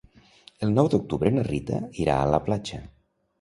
El nou d'octubre na Rita irà a la platja.